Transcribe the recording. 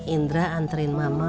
indra antarin mama